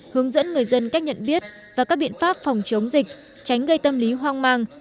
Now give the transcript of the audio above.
hướng dẫn người dân cách nhận biết và các biện pháp phòng chống dịch tránh gây tâm lý hoang mang